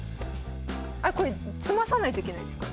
これ詰まさないといけないですよ。